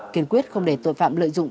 kiên quyết không để tội phạm lợi dụng